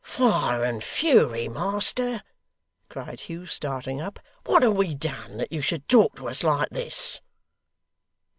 'Fire and fury, master!' cried Hugh, starting up. 'What have we done, that you should talk to us like this!